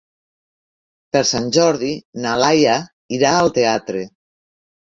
Per Sant Jordi na Laia irà al teatre.